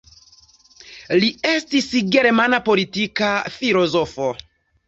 Li estis germana politika filozofo.